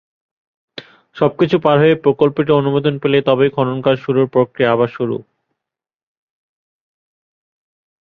সবকিছু পার হয়ে প্রকল্পটি অনুমোদন পেলে তবেই খননকাজ শুরুর প্রক্রিয়া আবার শুরু।